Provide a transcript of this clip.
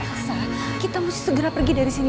rasa kita mesti segera pergi dari sini